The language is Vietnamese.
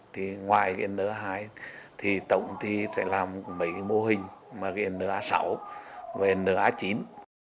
thì ngoài cái n hai thì tổng ty sẽ làm mấy cái mô hình mà cái n sáu và n chín